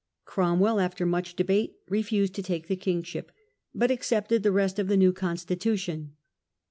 Cromwell, after much debate, refused to take the kingship, but accepted the rest of the new constitution.